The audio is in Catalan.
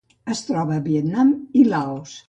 Es troba a Vietnam i Laos.